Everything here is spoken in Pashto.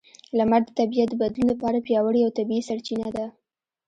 لمر د طبیعت د بدلون لپاره پیاوړې او طبیعي سرچینه ده.